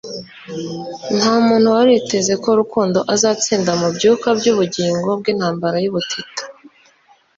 Ntamuntu wari witeze ko Rukundo azatsinda mubyuka byubugingo bwintambara y'ubutita